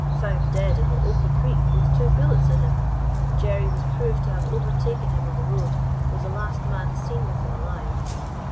Found dead in the Oakey Creek with two bullets in him. Jerry was proved to have overtaken him on the road; was the last man seen with him alive.